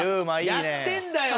やってんだよ！